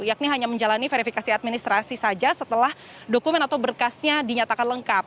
yakni hanya menjalani verifikasi administrasi saja setelah dokumen atau berkasnya dinyatakan lengkap